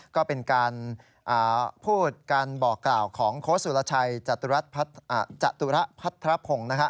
ก็เป็นการพูดการบอกกล่าวของโค้ชสูรชัยจตุรพัทธพงศ์